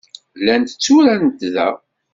Llant tturarent da.